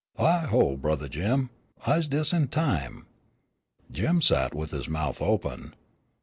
"Hi, oh, Brothah Jim, I's des' in time." Jim sat with his mouth open.